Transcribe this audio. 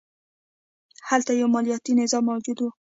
هلته یو مالیاتي نظام موجود و